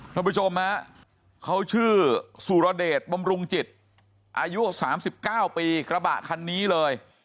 ท่านผู้ชมฮะเขาชื่อสุรเดชบำรุงจิตอายุ๓๙ปีกระบะคันนี้เลย